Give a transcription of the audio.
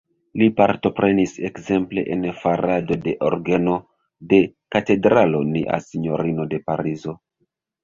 Li partoprenis ekzemple en farado de orgeno de Katedralo Nia Sinjorino de Parizo.